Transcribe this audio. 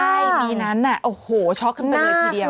ใช่ปีนั้นโอ้โหช็อกขึ้นมาเลยทีเดียว